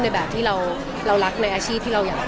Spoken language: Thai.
ในแบบที่เรารักในอาชีพที่เราอยาก